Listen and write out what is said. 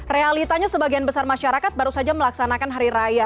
realitanya sebagian besar masyarakat baru saja melaksanakan hari raya